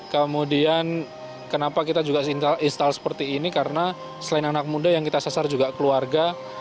kemudian kenapa kita juga install seperti ini karena selain anak muda yang kita sesar juga keluarga